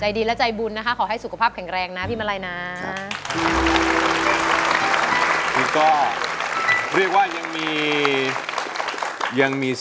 ดีและใจบุญนะคะขอให้สุขภาพแข็งแรงนะพี่มาลัยนะ